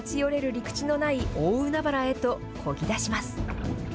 陸地のない大海原へとこぎ出します。